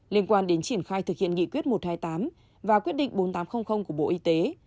liên quan đến triển khai thực hiện nghị quyết một trăm hai mươi tám và quyết định bốn nghìn tám trăm linh của bộ y tế